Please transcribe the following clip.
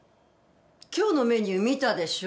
今日のメニュー見たでしょ？